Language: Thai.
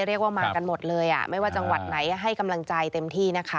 เรียกว่ามากันหมดเลยไม่ว่าจังหวัดไหนให้กำลังใจเต็มที่นะคะ